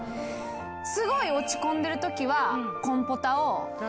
すごい落ち込んでるときはコンポタを選ぶんですよ。